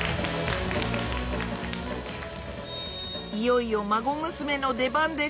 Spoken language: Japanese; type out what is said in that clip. いよいよ孫娘の出番です